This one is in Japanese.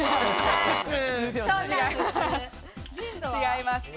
違います。